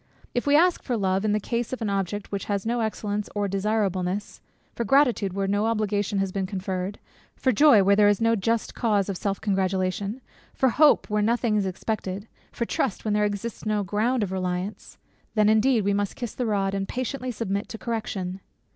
If we ask for love, in the case of an object which has no excellence or desirableness; for gratitude, where no obligation has been conferred; for joy, where there is no just cause of self congratulation; for hope, where nothing is expected; for trust, where there exists no ground of reliance; then indeed, we must kiss the rod, and patiently submit to correction.